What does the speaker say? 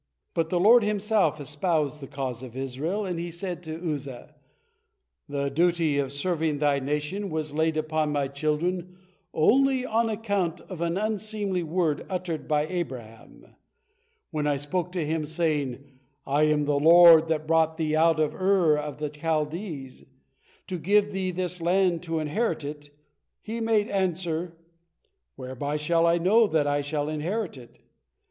But the Lord Himself espoused the cause of Israel, and He said to Uzza: "The duty of serving thy nation was laid upon My children only on account of an unseemly word uttered by Abraham. When I spoke to him, saying, 'I am the Lord that brought thee out of Ur of the Chaldees, to give thee this land to inherit it,' he made answer, 'Whereby shall I know that I shall inherit it?'